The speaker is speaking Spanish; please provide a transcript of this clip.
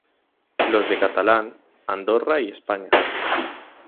Los de catalán: Andorra y España.